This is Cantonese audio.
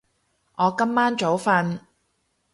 我今晚早瞓